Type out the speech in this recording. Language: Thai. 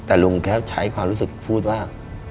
แต่ลุงแค่ใช้ความรู้สึกพูดว่า